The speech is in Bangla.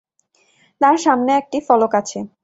তাঁর সামনে একটি ফলক আছে।